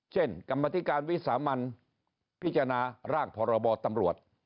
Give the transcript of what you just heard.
กรรมธิการวิสามันพิจารณาร่างพรบตำรวจ